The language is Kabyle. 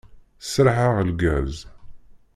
Sraḥeɣ lgaz.